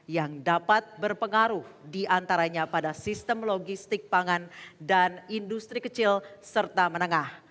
yang dapat berpengaruh diantaranya pada sistem logistik pangan dan industri kecil serta menengah